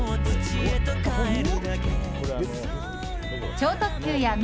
超特急やＭ！